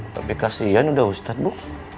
tapi kasian udah ustadz bu